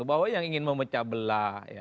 bahwa yang ingin memecah belah